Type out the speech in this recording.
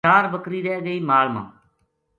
چار بکری رہ گئی مال ما